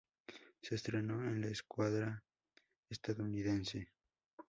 Se entrenó en la escuadra estadounidense.